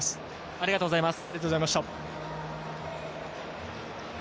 ありがとうございます。